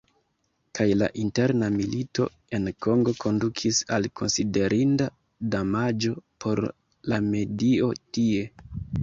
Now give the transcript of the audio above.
Kaj la interna milito en Kongo kondukis al konsiderinda damaĝo por la medio tie.